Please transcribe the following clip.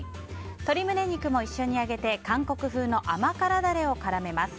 鶏胸肉も一緒に揚げて韓国風の甘辛ダレを絡めます。